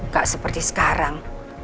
gak seperti sekarang